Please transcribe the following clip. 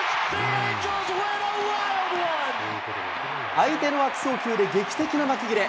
相手の悪送球で劇的な幕切れ。